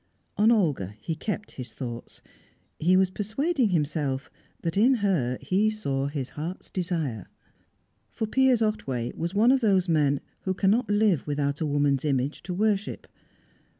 On Olga he kept his thoughts. He was persuading himself that in her he saw his heart's desire. For Piers Otway was one of those men who cannot live without a woman's image to worship.